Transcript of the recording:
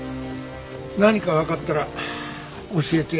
何かわかったら教えてや。